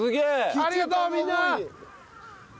ありがとうみんな！